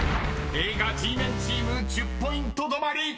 ［映画Ｇメンチーム１０ポイント止まり］